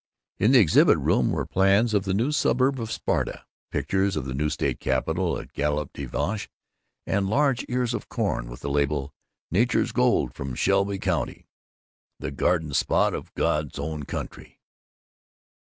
In the exhibit room were plans of the new suburbs of Sparta, pictures of the new state capitol, at Galop de Vache, and large ears of corn with the label, "Nature's Gold, from Shelby County, the Garden Spot of God's Own Country."